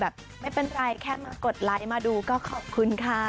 ไม่เป็นไรแค่มากดไลค์มาดูก็ขอบคุณค่ะ